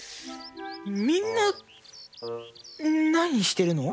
みんななにしてるの？